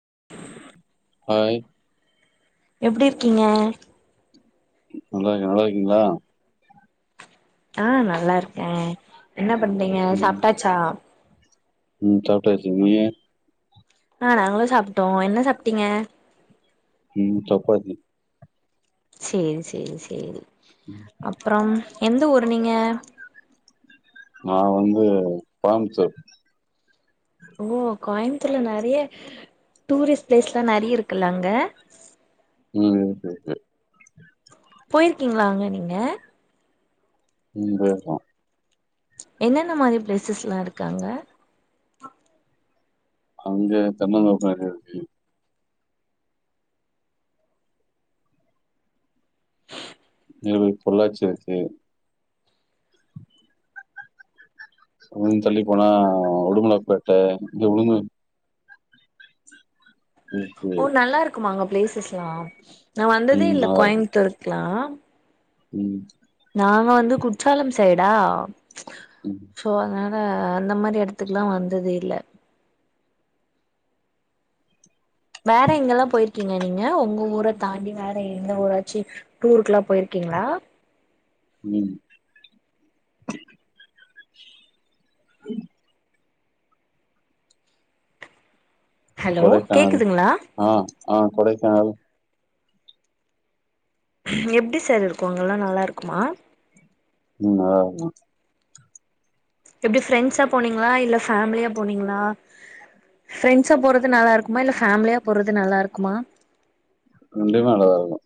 [inaudible] ஆஹ் குங்க நல்லா இருக்கேன் நல்லா இருக்கீங்களா ஆஹ் நல்லா இருக்கேன் என்ன பண்றீங்க சாப்டாச்சாச உம் சாப்டாச்சசி நீயே ஆஹ் நாங்களும் சாப்டோம் என்ன சாப்டீங்க உம் சப்பாத்தி செரி செரி செரி அப்புறம் எந்த ஊறு நீங்க நான் வந்து கோயம்தூர் ஓ கோயம் அந்தள நெறைய டூரிஸ்ட் பிளேஸ் லாம் நெறைய இருக்குள்ள அங்க உம் இருக்கு இருக்கு போய்யிருக்கீங்களா அங்க நீங்க உம் போயிருக்கோம் என்னென்ன மாரி பிளேசஸ்லா இருக்கு அங்க அங்க தென்ன மரத்தோடா இருக்கு நேரு பொள்ளாச்சி இருக்கு சம் தள்ளி போனா உடுமலப்பேட்ட இங்க உடுமல இருக்கு ஓ நல்லா இருக்குமா அங்க பிளேஸ் பேசுலாம் நான் வந்ததே இல்ல கோயம்புத்தூருக்குலாம் உம் நாங்க வந்து குற்றாலம் சைடா ம் சோ அதுனா ஆஹ் அந்த மாரி இடத்துக்குல்லாம் வந்ததே இல்ல வேற எங்கெல்லாம் போய்யிருக்கீங்க நீங்க உங்க ஊர தாண்டி வேற எந்த ஊராச்சி டூருக்குல்லா போயிருக்கீங்களா உம் ஹலோ கொடைக்கானல் கேக்குதுங்களா ஆ ஆ கொடைக்கானல் எப்படி சார் இருக்கும் அங்கல்லா நல்லா இருக்குமா உம் நல்லா இருக்கும் எப்படி ஃப்ரண்ட்ஸா போனீங்களா இல்ல ஃபேமிலியா போனீங்களா ஃப்ரண்ட்ஸா போறது நல்லா இருக்குமா இல்ல ஃபேமிலியா போறது நல்லாருக்குமா ரெண்டுமே நல்லாத இருக்கும்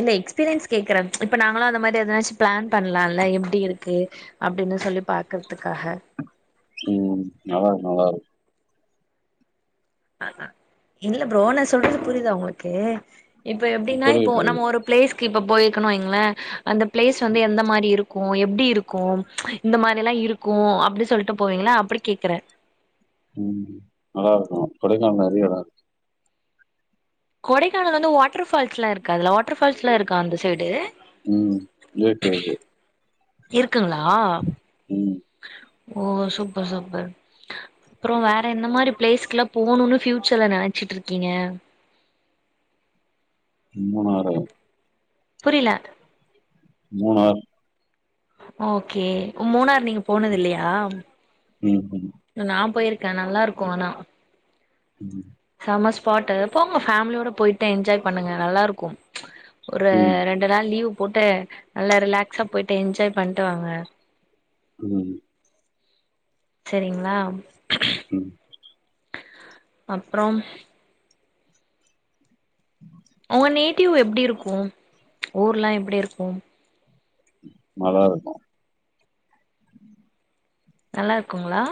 இல்ல எக்ஸ்பீரியன்ஸ் கேக்குறேன் இப்ப நாங்களும் அந்த மாரி எதனாச்சு பிளான் பண்ணலாம்ல எப்படி இருக்கு அப்படின்னு சொல்லி பாக்குறதுக்காக உம் நல்லாருக்கு நல்லாருக்கு இல்ல ப்ரோ நா சொல்றது புரியுதா உங்களுக்கு இப்போ இருக்கும் எப்பிடினா இப்போ புரியுது புரியுது நம்ம ஒரு பிளேஸ்கு இப்ப போய் கனு வைய்ங்கலேன் அந்த பிளேஸ் வந்து எந்த மாரி இருக் க்கும் எப்படி இருக்கும் இந்த மாரி எல்லாம் இருக்கும் அப்படி சொல்லிட்டு போவீங்கள அப்படி கேக்குறேன் உம் நல்லா இருக்கும் கொடைக்கானல நிறைய‌ இடம் இருக்கு கொடைக்கானல் வந்து வாட்டர் ஃபால்ஸ் எல்லாம் இருக்காதுல வாட்டர் ஃபால்ஸ் எல்லாம் இருக்கா அந்த சைடு உம் லேக் இருக்கு இருக்குங்களா ம் ஓ சூப்பர் சூப்பர் அப்புறோம் வேற எந்த மாரி பிளேஸ்கெல்லாம் போகணும்னு பியூச்சர்ல நினைச்சுட்டு இருக்கீங்க மூணாறு புரில மூணாறு ஓகே மூணாறு நீங்க போனது இல்லையா ம் ம் நான் போயிருக் க்க நல்லா இருக்கும் ஆனா உம் சம்ம ஸ்பாட்டு போங்கோ ஃபமிலியோட போயிட்டு என்ஜாய் பண்ணுங்க நல்லா இருக்கும் ஒரு ம் ரெண்டு நாள் லீவ் போட்டு நல்லா ரிலாக்ஸா போயிட்டு என்ஜாய் பண்ட்டு வாங்க உம் செரிங்களா உம் அப்புறம் அவொனி டியூ எப்டி இருக்கும் ஊர்லாம் எப்டி இருக்கும் நல்லா இருக்கும் நல்லா இருக்குங்களா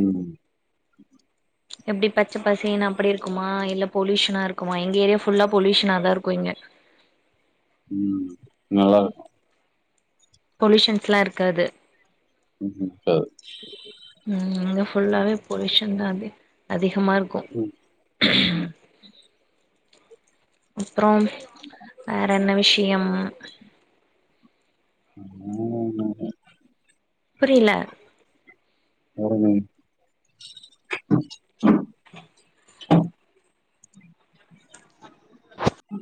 உம் எப்டி பச்ச பசேனு அப்டி இருக்குமா இல்ல பொலியூஷனா இருக்குமா எங்க ஏரியா ஃபுல்லா பொலியூஷனா தா இருக்கும் இங்க உம் நல்லா இருக்கும் பொலுயூஷன்ஸ்ல்லா இருக்காது உம் ம் இங்க ஃபுல்லாவே பொலுயூஷன் தான் அப்டி அதி கமா இருக்கோம் ம் அஹ அப்புறம் வேற என்ன விஷ யம் [inaudible] புரில ஒரு